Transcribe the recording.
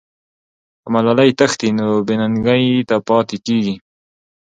که ملالۍ تښتي، نو بې ننګۍ ته پاتې کېږي.